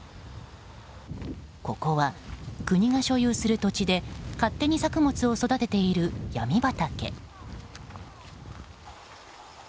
ここは国が所有する土地で勝手に作物を育てているヤミ畑。